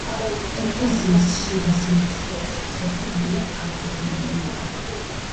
ეკლესიის შიდა სივრცე ძლიერ წაგრძელებულია.